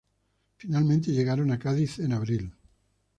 Finalmente llegaron a Cádiz en abril.